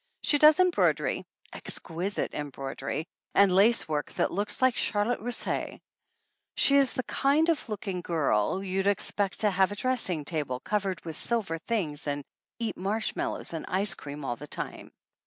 She does embroidery exquisite embroidery, and lace work that looks like charlotte russe. She is the kind of looking girl that you'd expect to have a dressing table covered with silver things and eat marshmallows and ice cream all the time.